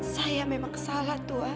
saya memang salah tuhan